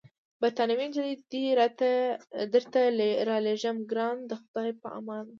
بریتانوۍ نجلۍ دي درته رالېږم، ګرانه د خدای په امان.